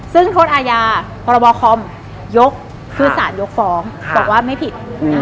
ซึ่งโทษอาญาพรบคอมยกคือสารยกฟ้องบอกว่าไม่ผิด